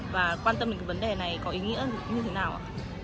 và quan tâm đến cái vấn đề này có ý nghĩa như thế nào ạ